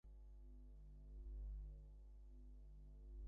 মক্ষী কম্পিতস্বরে বললে, না, আপনি যাবেন না, ঘরে আসুন।